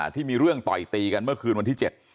ที่มีเรื่องต่อยตีกันเมื่อคืนวันที่๗